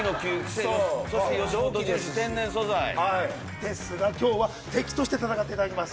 ですが今日は敵として戦っていただきます。